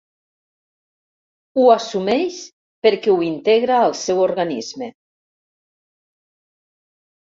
Ho assumeix perquè ho integra al seu organisme.